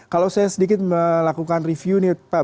kalau saya sedikit melakukan review nih pak